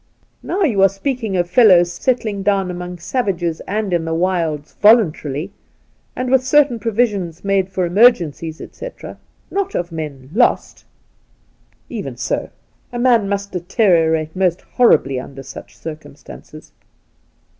' Now you are speaking of fellows settling down among savages and in the wilds voluntarily, and with certain provisions ma; de for emergencies, etc., not of men lost,' ' Even so, a man must deteriorate most horribly under such circumstances.'